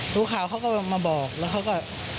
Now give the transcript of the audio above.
รู้ข่าวเขาก็มาบอกแล้วเขาก็